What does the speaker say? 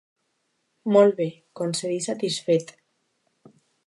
Molt bé —concedí, satisfet—.